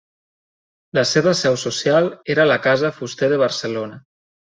La seva seu social era a la Casa Fuster de Barcelona.